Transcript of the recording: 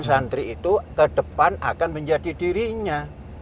santri itu ke depan akan menjadi dirinya